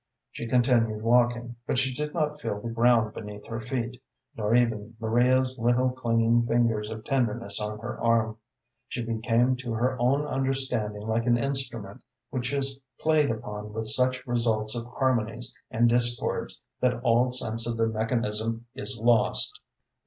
She continued walking, but she did not feel the ground beneath her feet, nor even Maria's little, clinging fingers of tenderness on her arm. She became to her own understanding like an instrument which is played upon with such results of harmonies and discords that all sense of the mechanism is lost.